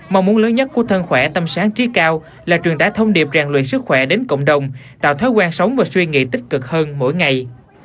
mong muốn lớn nhất của thân khỏe tâm sáng trí cao là truyền tải thông điệp ràng luyện sức khỏe đến cộng đồng tạo thói quen sống và suy nghĩ tích cực hơn mỗi ngày